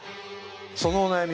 そのお悩み